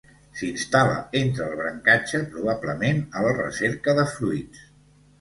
S'instal·la entre el brancatge, probablement a la recerca de fruits.